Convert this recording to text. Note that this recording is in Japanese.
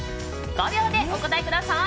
５秒でお答えください。